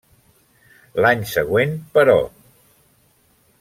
L'any següent, però.